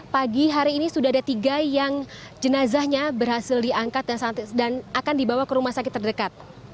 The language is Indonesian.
pagi hari ini sudah ada tiga yang jenazahnya berhasil diangkat dan akan dibawa ke rumah sakit terdekat